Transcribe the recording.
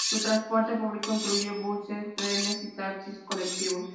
Su transporte público incluye buses, trenes y taxis colectivos.